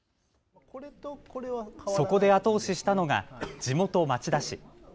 そこで後押ししたのが地元町田市。